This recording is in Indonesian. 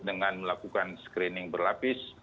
dengan melakukan screening berlapis